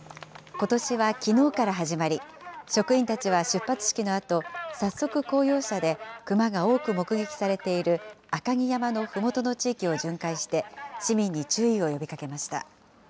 ことしはきのうから始まり、職員たちは出発式のあと、早速、公用車でクマが多く目撃されている、赤城山のふもとの地域を巡回して、市民に注意を呼びかけました。